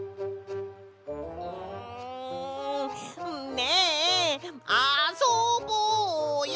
ねえあそぼうよ！